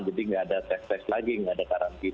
jadi nggak ada tes tes lagi nggak ada karantina